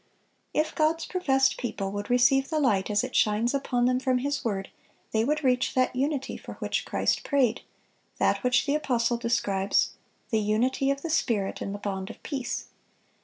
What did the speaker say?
(621) If God's professed people would receive the light as it shines upon them from His word, they would reach that unity for which Christ prayed, that which the apostle describes, "the unity of the Spirit in the bond of peace."